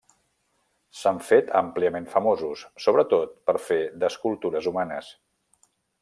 S'han fet àmpliament famosos sobretot per fer d'escultures humanes.